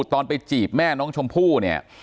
ตอนไปจีบแม่น้องชมพู่เนี่ย